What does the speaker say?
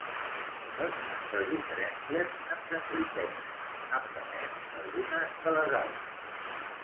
Les nostres diferències ens enriqueixen, aprenem les unes de les altres.